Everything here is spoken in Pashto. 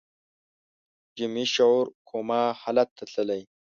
جمعي شعور کوما حالت ته تللی